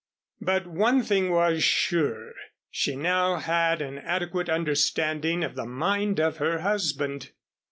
But one thing was sure, she now had an adequate understanding of the mind of her husband.